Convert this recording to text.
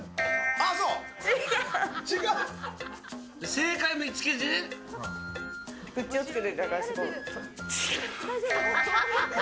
正解見つけて。